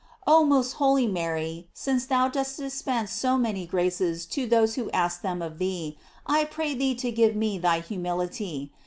Oh most holy Mary, since thou dost dispense so many graces to those who ask them of tbee, I pray thee to give me thy humility.